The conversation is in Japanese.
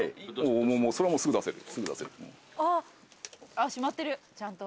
あっしまってるちゃんと。